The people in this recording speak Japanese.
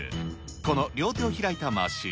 この両手を開いたマシン。